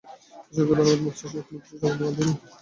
ঈশ্বরকে ধন্যবাদ, মস্তিষ্কে কোন কিছু জমাট বাঁধেনি।